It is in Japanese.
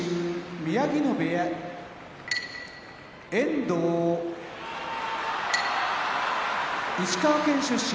宮城野部屋遠藤石川県出身追手風部屋